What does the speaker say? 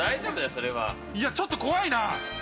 いや、ちょっと怖いな。